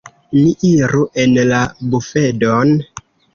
Ni iru en la bufedon.